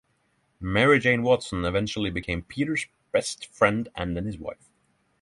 Mary Jane Watson eventually became Peter's best friend and then his wife.